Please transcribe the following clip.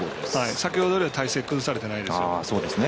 先ほどよりは体勢、崩されてないです。